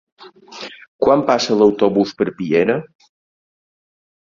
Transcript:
Quan passa l'autobús per Piera?